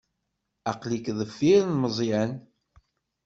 Aql-ik deffir n Meẓyan.